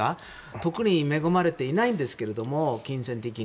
特に恵まれていないんですが金銭的に。